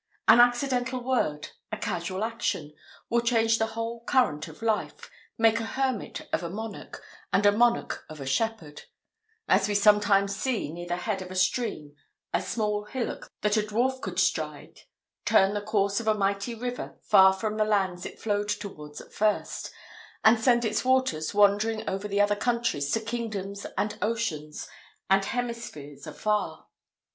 An accidental word, a casual action, will change the whole current of life, make a hermit of a monarch, and a monarch of a shepherd: as we sometimes see near the head of a stream a small hillock that a dwarf could stride turn the course of a mighty river far from the lands it flowed towards at first, and send its waters wandering over other countries to kingdoms, and oceans, and hemispheres afar.